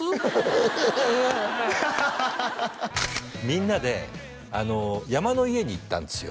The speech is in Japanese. みんなで山の家に行ったんですよ